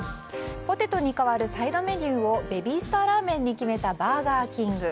ポテトに代わるサイドメニューをベビースターラーメンに決めたバーガーキング。